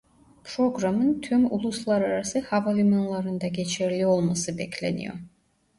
Programın tüm uluslararası havalimanlarında geçerli olması bekleniyor.